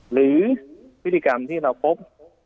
หรือพฤติกรรมที่เราพบ